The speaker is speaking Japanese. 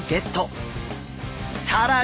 更に！